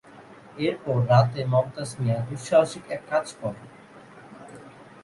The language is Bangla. এরপর রাতে মমতাজ মিয়া দুঃসাহসিক এক কাজ করেন।